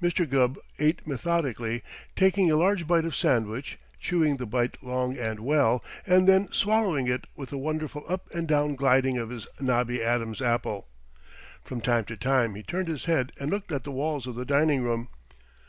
Mr. Gubb ate methodically, taking a large bite of sandwich, chewing the bite long and well, and then swallowing it with a wonderful up and down gliding of his knobby Adam's apple. From time to time he turned his head and looked at the walls of the dining room.